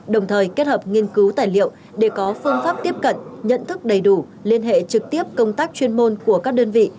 đồng thời kết hợp nghiên cứu tài liệu để có phương pháp tiếp cận nhận thức đầy đủ liên hệ trực tiếp công tác chuyên môn của các đơn vị